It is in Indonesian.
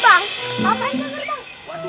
apa itu gerbang